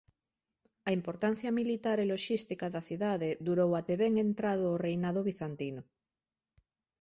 A importancia militar e loxística da cidade durou até ben entrado o reinado bizantino.